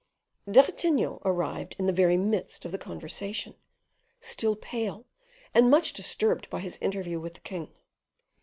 D'Artagnan arrived in the very midst of the conversation, still pale and much disturbed by his interview with the king.